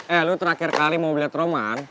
eh lu terakhir kali mau lihat roman